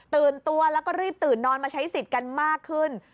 ตัวแล้วก็รีบตื่นนอนมาใช้สิทธิ์กันมากขึ้น